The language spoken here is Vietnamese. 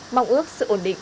mong ước sự ổn định